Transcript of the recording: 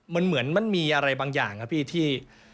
มันเหมือนมันมีอะไรบางอย่างครับพี่ที่